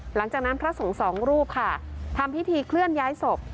หลังจากนั้นพระสงฆ์สองรูปค่ะทำพิธีเคลื่อนย้ายศพ